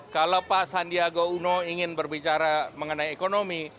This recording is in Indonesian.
kalau pak sandiaga uno ingin berbicara mengenai ekonomi